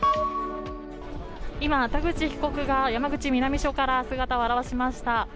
今、田口被告が山口南署から姿を現しました。